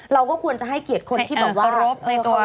เราก็ควรจะให้เกียรติคนที่แบบว่ารบ